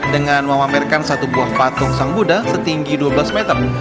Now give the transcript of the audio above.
dengan memamerkan satu buah patung sang buddha setinggi dua belas meter